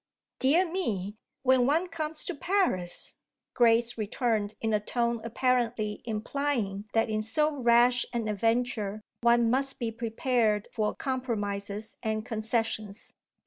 "Dear me, when one comes to Paris !" Grace returned in a tone apparently implying that in so rash an adventure one must be prepared for compromises and concessions.